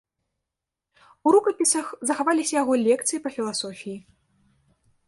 У рукапісах захаваліся яго лекцыі па філасофіі.